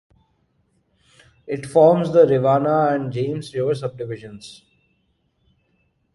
It forms the Rivanna and James River subdivisions.